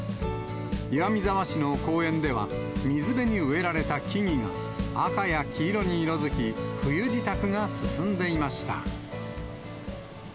岩見沢市の公園では、水辺に植えられた木々が、赤や黄色に色づき、冬支度が進んでいました。